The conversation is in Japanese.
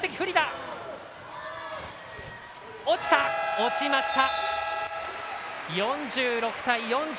落ちました。